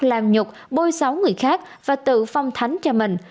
làm nhục bôi xấu người khác và tự phong thánh cho mình